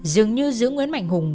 dường như giữa nguyễn mạnh hùng